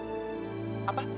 saya sudah selesai